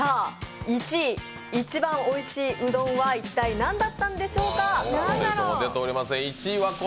１位、一番おいしいうどんは一体何だったんでしょうか？